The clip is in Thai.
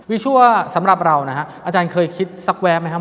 ชั่วสำหรับเรานะฮะอาจารย์เคยคิดสักแวบไหมครับ